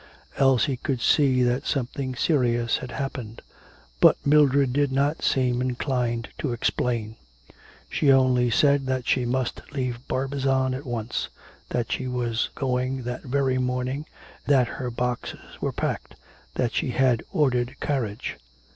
Elsie could see that something serious had happened. But Mildred did not seem inclined to explain, she only said that she must leave Barbizon at once. That she was going that very morning, that her boxes were packed, that she had ordered a carriage.